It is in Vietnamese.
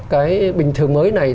cái bình thường mới này